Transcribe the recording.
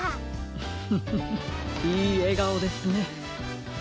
フフフフいいえがおですね。